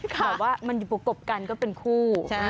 แต่ว่ามันอยู่ประกบกันก็เป็นคู่